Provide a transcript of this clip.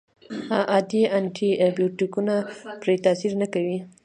عادي انټي بیوټیکونه پرې تاثیر نه کوي.